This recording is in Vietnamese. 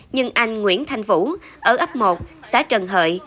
nhưng anh nguyễn thanh vũ ở ấp một xã trần hợi